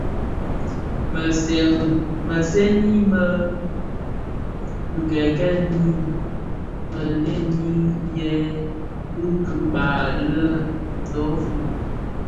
Mësëňi mË bikekel mèn ndheňiyên bi dhikpag lè dofon.